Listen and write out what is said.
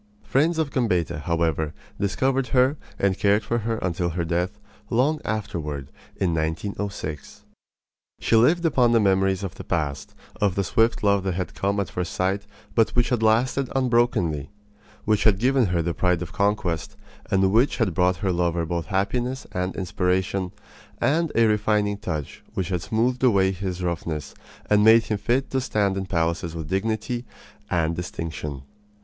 Friends of Gambetta, however, discovered her and cared for her until her death, long afterward, in 1906. She lived upon the memories of the past, of the swift love that had come at first sight, but which had lasted unbrokenly; which had given her the pride of conquest, and which had brought her lover both happiness and inspiration and a refining touch which had smoothed away his roughness and made him fit to stand in palaces with dignity and distinction.